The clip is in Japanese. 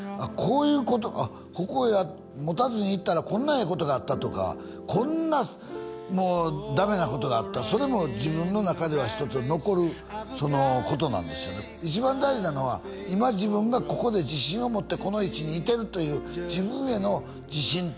こういうことここ持たずにいったらこんなええことがあったとかこんなもうダメなことがあったそれも自分の中では一つの残ることなんですよね一番大事なのは今自分がここで自信を持ってこの位置にいてるという自分への自信